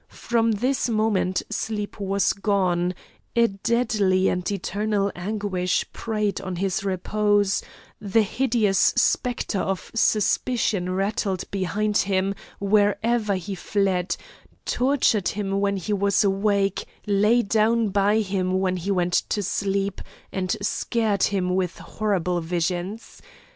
From this moment sleep was gone; a deadly and eternal anguish preyed on his repose; the hideous spectre of suspicion rattled behind him, wherever he fled, tortured him when he was awake, lay down by him when he went to sleep, and scared him with horrible visions.